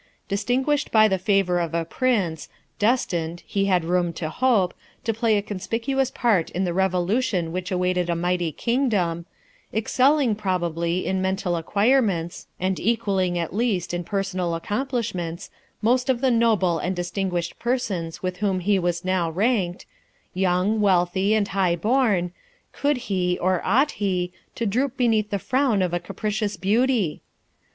Distinguished by the favour of a prince; destined, he had room to hope, to play a conspicuous part in the revolution which awaited a mighty kingdom; excelling, probably, in mental acquirements, and equalling at least in personal accomplishments, most of the noble and distinguished persons with whom he was now ranked; young, wealthy, and high born, could he, or ought he, to droop beneath the frown of a capricious beauty?